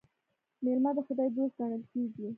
میلمه د خدای دوست ګڼل کیږي.